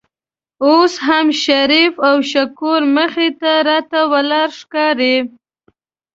اوس هم شریف او شکور مخې ته راته ولاړ ښکاري.